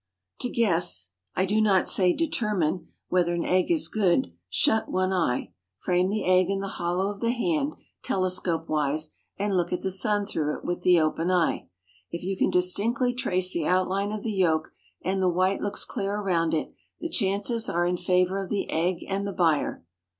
To guess (I do not say determine) whether an egg is good, shut one eye; frame the egg in the hollow of the hand, telescope wise, and look at the sun through it with the open eye. If you can distinctly trace the outline of the yolk and the white looks clear around it, the chances are in favor of the egg and the buyer.